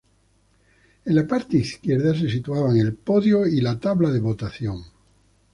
En la parte izquierda se situaban el podio y la tabla de votación.